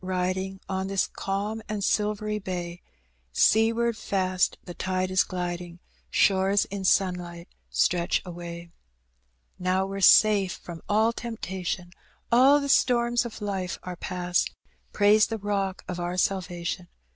Biding, On this calm and silvery bay, Seaward fast the tide is gliding, Shores in sunlight stretch away. "Now we're safe from all temptation, All the storms of life are past ; Praise the Bock of our salvation.